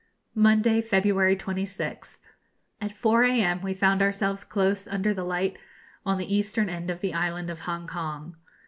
Monday, February 26th. At 4 a.m. we found ourselves close under the light on the eastern end of the island of Hongkong.